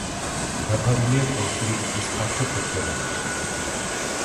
დაფარულია კოლხური ტიპის ფართოფოთლოვანი ტყით.